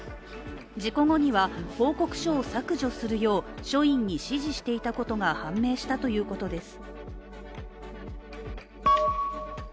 事故後には報告書を削除するよう署員に指示していたことが判明したということです。